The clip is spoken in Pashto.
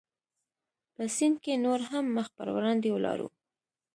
په سیند کې نور هم مخ پر وړاندې ولاړو.